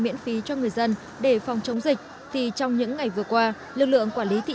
miễn phí cho người dân để phòng chống dịch thì trong những ngày vừa qua lực lượng quản lý thị